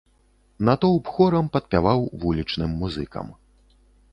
Натоўп хорам падпяваў вулічным музыкам.